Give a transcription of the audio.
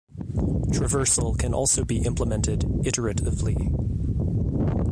Traversal can also be implemented iteratively.